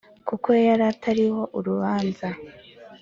Kuko yaratariho urubanza